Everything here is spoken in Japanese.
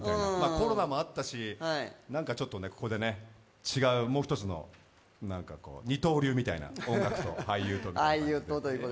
コロナもあったし、何かちょっとここで違うもう一つの二刀流みたいな音楽と俳優とで、はい。